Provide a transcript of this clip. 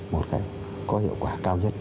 một cách có hiệu quả cao nhất